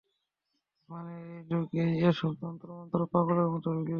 মানে, এই, লোক, এই এসব তন্ত্র-মন্ত্র পাগলের মত গিলছে।